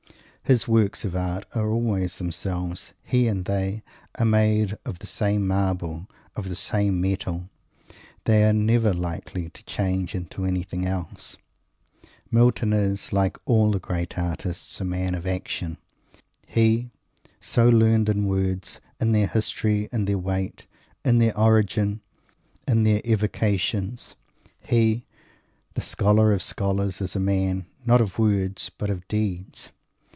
His works of art are always themselves. He and they are made of the same marble, of the same metal. They are never likely to change into anything else! Milton is, like all the greatest artists, a man of action. He, so learned in words, in their history, in their weight, in their origin, in their evocations; he, the scholar of scholars, is a man, not of words, but of deeds.